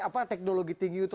apa teknologi tinggi untuk